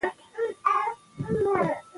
منور افغانان باید دقیق معلومات خپاره کړي.